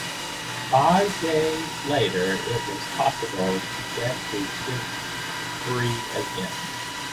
Five days later it was possible to get the ship free again.